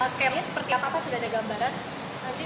skernya seperti apa sudah ada gambaran